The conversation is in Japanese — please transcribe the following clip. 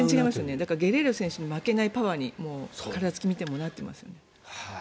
だからゲレーロ選手に負けないパワーに体つきを見てもなっていますね。